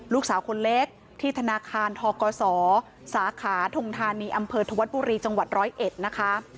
ลูกสาวคนเล็กที่ธนาคารทกศสาขาทงธานีอำเภอธวัฒนบุรีจังหวัดร้อยเอ็ดนะคะ